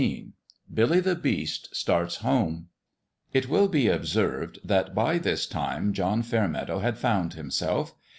XIII BILLY THE BEAST STARTS HOME IT will be observed that by this time John Fairmeadow had found himself.